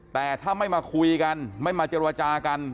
แต่ถ้าไม่มาคุยกันไม่มาเจรจากัน